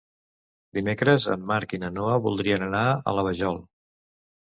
Dimecres en Marc i na Noa voldrien anar a la Vajol.